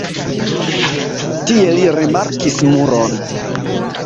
Tie li rimarkis muron.